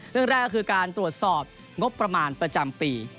เรื่องแรกก็คือการตรวจสอบงบประมาณประจำปี